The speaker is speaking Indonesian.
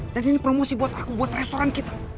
dan ini promosi buat aku buat restoran kita